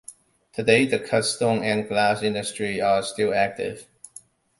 Today, the cut-stone and glass industries are still active.